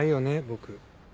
僕。